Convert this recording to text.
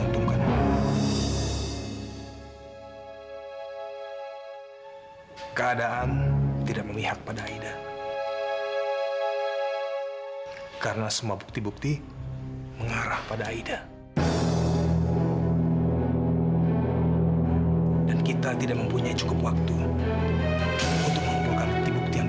sampai jumpa di video selanjutnya